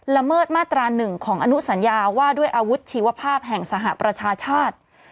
ละเมิดมาตรา๑ของอนุสัญญาว่าด้วยอาวุธชีวภาพแห่งสหประชาชาติ